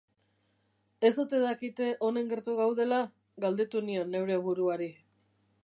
Ez ote dakite honen gertu gaudela?, galdetu nion neure buruari.